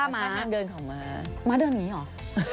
ม้าเดินเขาม้าม้าเดินอย่างนี้หรอ